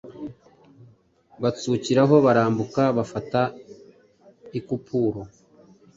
Batsukiraho barambuka, bafata i Kupuro.»